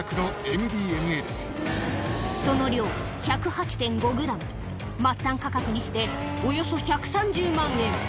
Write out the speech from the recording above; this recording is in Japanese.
その量、１０８．５グラム、末端価格にしておよそ１３０万円。